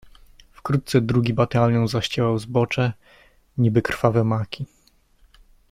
"Wkrótce drugi batalion zaściełał zbocze, niby krwawe maki."